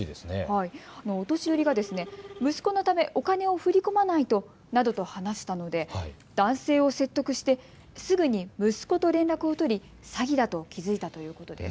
お年寄りが息子のためお金を振り込まないとなどと話したので男性を説得してすぐに息子と連絡を取り詐欺だと気付いたということです。